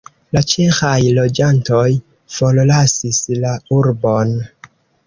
La ĉeĥaj loĝantoj forlasis la urbon.